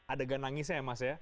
ada ganangisnya ya mas ya